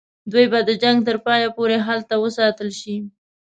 دوی به د جنګ تر پایه پوري هلته وساتل شي.